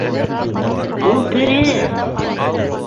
Ул тере!